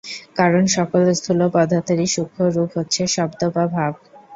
কারণ, সকল স্থূল পদার্থেরই সূক্ষ্ম রূপ হচ্ছে শব্দ বা ভাব।